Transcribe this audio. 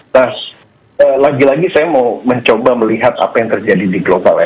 nah lagi lagi saya mau mencoba melihat apa yang terjadi di global ya